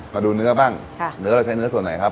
มาดูเนื้อบ้างเนื้อเราใช้เนื้อส่วนไหนครับ